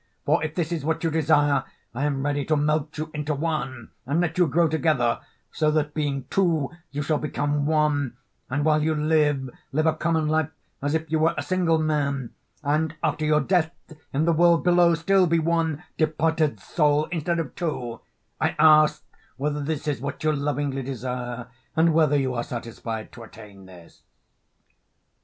for if this is what you desire, I am ready to melt you into one and let you grow together, so that being two you shall become one, and while you live live a common life as if you were a single man, and after your death in the world below still be one departed soul instead of two I ask whether this is what you lovingly desire, and whether you are satisfied to attain this?'